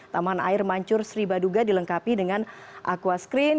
taman air mancur sri baduga dilengkapi dengan aqua screen